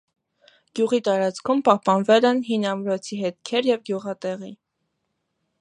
Գյուղի տարածքում պահպանվել են հին ամրոցի հետքեր և գյուղատեղի։